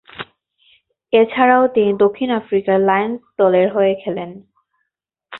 এছাড়াও তিনি দক্ষিণ আফ্রিকার লায়ন্স দলের হয়ে খেলেন।